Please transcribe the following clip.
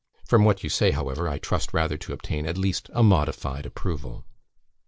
From what you say, however, I trust rather to obtain at least a modified approval.